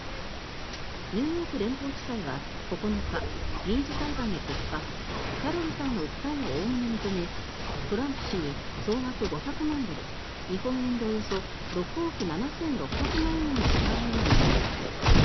ニューヨーク連邦地裁は９日民事裁判の結果キャロルさんの訴えをおおむね認め、トランプ氏に総額５００万ドル日本円でおよそ６億７６００万円の支払いを命じました。